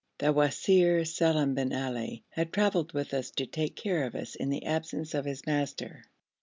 The Wazir Salim bin Ali had travelled with us to take care of us in the absence of his master.